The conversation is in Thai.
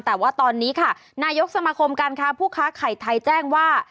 แต่ว่าตอนนี้ค่ะนายกสมาคมการค้าผู้ค้าไข่ไทยแจ้งว่า